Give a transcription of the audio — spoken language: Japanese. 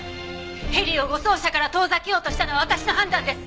ヘリを護送車から遠ざけようとしたのは私の判断です！